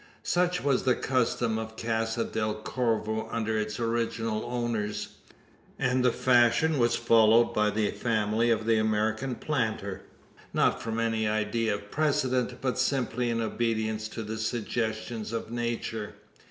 Such was the custom of Casa del Corvo under its original owners: and the fashion was followed by the family of the American planter not from any idea of precedent, but simply in obedience to the suggestions of Nature.